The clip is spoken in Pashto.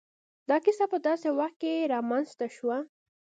دا کيسه په داسې وخت کې را منځ ته شوه.